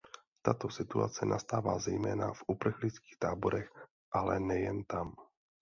Tato situace nastává zejména v uprchlických táborech, ale nejen tam.